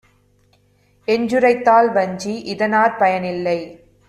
என்றுரைத்தாள் வஞ்சி. இதனாற் பயனில்லை;